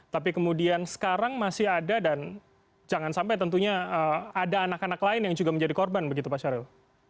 tapi kemudian sekarang masih ada dan jangan sampai tentunya ada anak anak lain yang juga menjadi korban begitu pak syahril